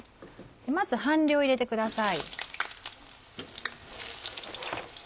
まず半量入れてください。